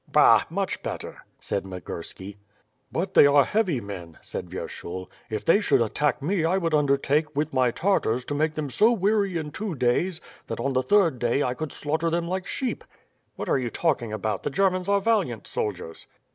"Bah! much better," said Migurski. "But they are heavy men," said Vyershul. "If they should attack me, I would undertake, with my Tartars, to make them so weary in two days that on the third day I could slaughter them like sheep." "What are you talking about? The Germans are valiant soldiers."